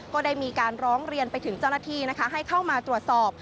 ก็ได้มีการร้องเรียนไปถึงเจ้าหน้าที่นะคะให้เข้ามาตรวจสอบ